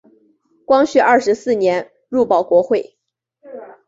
光绪二十四年入保国会。